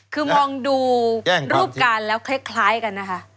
คือมองดูรูปการณ์แล้วคล้ายกันนะคะ